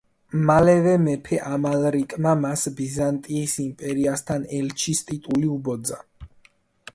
მალევე მეფე ამალრიკმა მას ბიზანტიის იმპერიასთან ელჩის ტიტული უბოძა.